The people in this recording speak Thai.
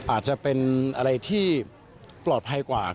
อาจจะเป็นอะไรที่ปลอดภัยกว่า